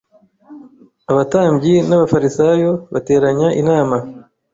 Abatambyi n'abafarisayo bateranya inama